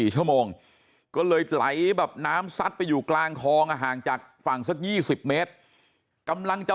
๔ชั่วโมงก็เลยไหลแบบน้ำซัดไปอยู่กลางคลองห่างจากฝั่งสัก๒๐เมตรกำลังจะ